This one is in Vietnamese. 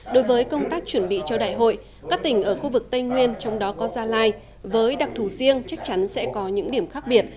đối với công tác chuẩn bị cho đại hội các tỉnh ở khu vực tây nguyên trong đó có gia lai với đặc thù riêng chắc chắn sẽ có những điểm khác biệt